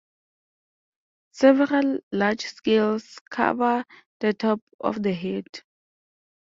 Several large scales cover the top of the head.